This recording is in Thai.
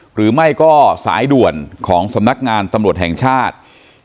หรือไม่ก็สายด่วนของสำนักงานตำรวจแห่งชาติ